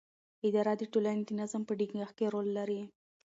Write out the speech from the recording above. اداره د ټولنې د نظم په ټینګښت کې رول لري.